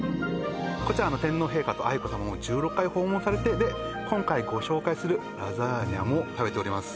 こちら天皇陛下と愛子さまも１６回訪問されて今回ご紹介するラザーニャも食べております